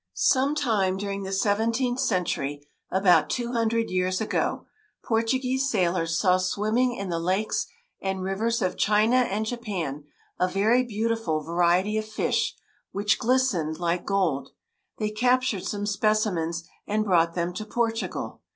] Some time during the seventeenth century, about two hundred years ago, Portuguese sailors saw swimming in the lakes and rivers of China and Japan a very beautiful variety of fish, which glistened like gold. They captured some specimens, and brought them to Portugal.